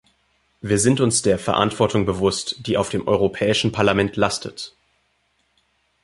Wir sind uns der Verantwortung bewusst, die auf dem Europäischen Parlament lastet.